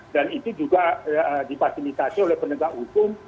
dan itu juga dipasifikasi oleh pendekat hukum